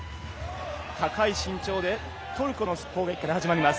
高い身長でトルコの攻撃から始まります。